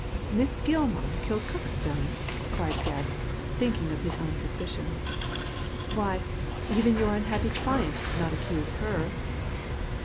" Miss Gilmar kill Kirkstone ?" cried Gebb, thinking of his own suspicions. " Why, even your unhappy client did not accuse her.